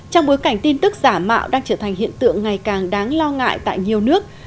trong bối cảnh tin tức giả mạo đang trở thành hiện tượng ngày càng đáng lo ngại tại nhiều nước